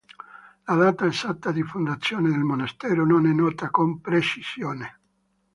La data esatta di fondazione del monastero non è nota con precisione.